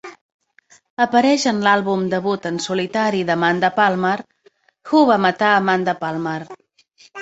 Apareix en l'àlbum debut en solitari d'Amanda Palmer, "Who va matar Amanda Palmer".